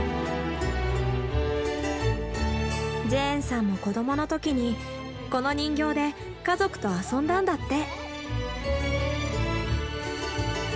ジェーンさんも子どもの時にこの人形で家族と遊んだんだって。